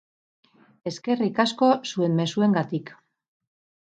Eskerrik asko zuen mezuengatik.